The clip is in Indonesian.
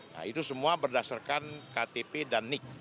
nah itu semua berdasarkan ktp dan nik